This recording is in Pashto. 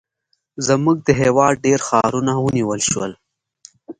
زموږ د هېواد ډېر ښارونه ونیول شول.